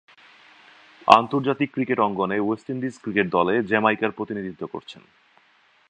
আন্তর্জাতিক ক্রিকেট অঙ্গনে West Indies cricket দলে জ্যামাইকার প্রতিনিধিত্ব করছেন।